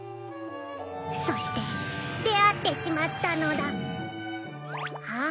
そして出会ってしまったのだ。